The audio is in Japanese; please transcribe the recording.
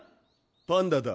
パンダだ。